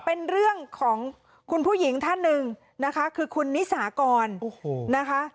เป็นเรื่องของคุณผู้หญิงท่านหนึ่งนะคะคือคุณนิสากรนะคะ